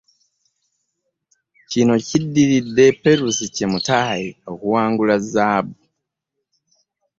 Kino kiddiridde Peruth Chemutai okuwangula zzaabu.